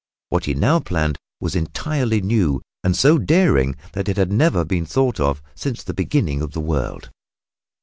What he now planned was entirely new and so daring that it had never been thought of since the beginning of the world.